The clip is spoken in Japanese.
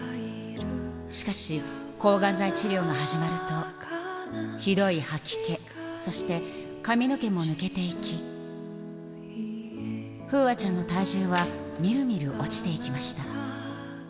しかし、抗がん剤治療が始まると、ひどい吐き気、そして髪の毛も抜けていき、楓空ちゃんの体重はみるみる落ちていきました。